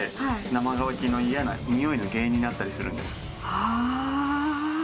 はあ。